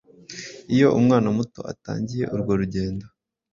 Iyo umwana muto atangiye urwo rugendo